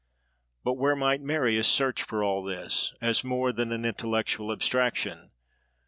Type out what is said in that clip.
But where might Marius search for all this, as more than an intellectual abstraction?